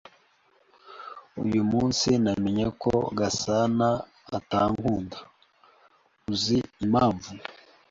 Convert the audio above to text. Uyu munsi namenye ko Gasanaatankunda. Uzi impamvu?